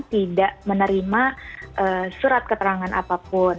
tidak menerima surat keterangan apapun